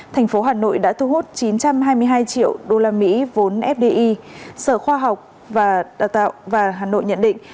hai nghìn hai mươi một thành phố hà nội đã thu hút chín trăm hai mươi hai triệu usd vốn fdi sở khoa học và hà nội nhận định